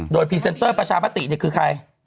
โดยพรีเซนเตอร์ประชามติเนี่ยคือใคร